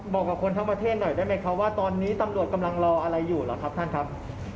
บอกกับคนทั้งประเทศหน่อยได้ไหมคะว่าตอนนี้ตำรวจกำลังรออะไรอยู่หรอครับท่านครับ